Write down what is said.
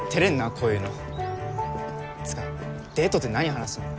こういうのつうかデートって何話すの？